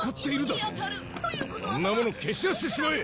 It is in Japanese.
そんなもの蹴散らしてしまえ！